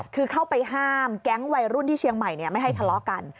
คือเข้าไปห้ามแก๊งวัยรุ่นที่เชียงใหม่ไม่ให้ทะเลาะกัน